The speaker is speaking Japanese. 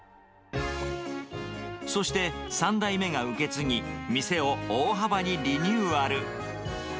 そして、３代目が受け継ぎ、店を大幅にリニューアル。